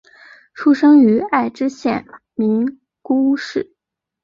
出生于爱知县名古屋市。